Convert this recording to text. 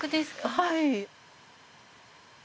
はい。